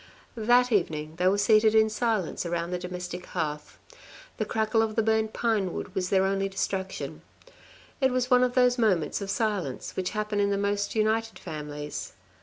That evening they were seated in silence around the domestic hearth. The crackle of the burnt pinewood was their only distraction. It was one of those moments of silence which happen in the most united families.